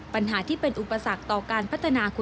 ปัญหาที่เป็นอุปสรรคต่อการพัฒนาแล้วทั้งนั้น